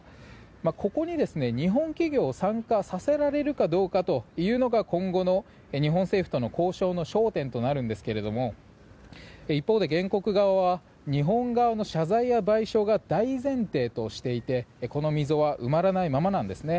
ここに日本企業を参加させられるかどうかというのが今後の日本政府との交渉の焦点となるんですが一方で原告側は日本側の謝罪や賠償が大前提としていてこの溝は埋まらないままなんです